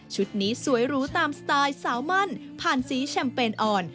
นี้สวยหรูตามสไตล์สาวมั่นผ่านสีแชมเปญอ่อน